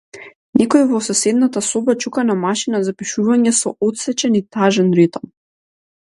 Некој во соседната соба чука на машина за пишување во отсечен и тажен ритам.